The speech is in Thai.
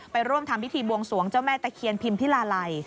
ร่วมทำพิธีบวงสวงเจ้าแม่ตะเคียนพิมพิลาลัย